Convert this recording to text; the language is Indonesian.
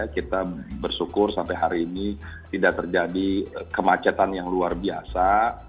kita bersyukur sampai hari ini tidak terjadi kemacetan yang luar biasa